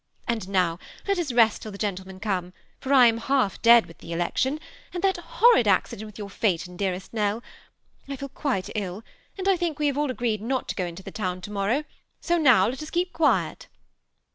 And now let us rest till the gentlemen come, for I am half dead with the election, and that horrid accident with your phaeton, dearest NelL I feel quite ill, and I think we have all agreed not to go into the town to morrow ; so now let us keep quiet."